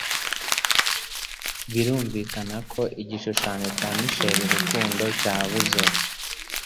Birumvikana ko igishusho cya Michael Rukundo cyabuze